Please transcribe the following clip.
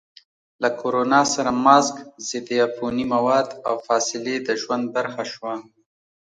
له کرونا سره ماسک، ضد عفوني مواد، او فاصلې د ژوند برخه شوه.